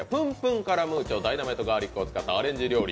カラムーチョダイナマイトガーリックを使ったアレンジ料理